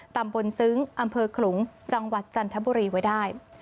ตำบลซึ้งอำเภอขลุงจังหวัดจันทบุรีไว้ได้